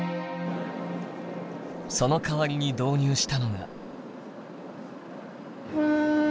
そのかわりに導入したのが。